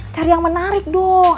cari yang menarik dong